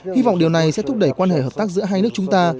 hy vọng điều này sẽ thúc đẩy quan hệ hợp tác giữa hai nước chúng ta